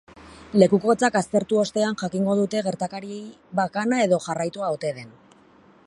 Lekukotzak aztertu ostean jakingo dute gertakari bakana edo jarraitua ote den.